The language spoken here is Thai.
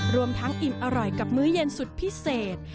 รวมทั้งอิ่มอร่อยกับมื้อเย็นสุดพิเศษ